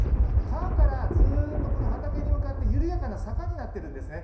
川からずっとこの畑に向かって、緩やかな坂になっているんですね。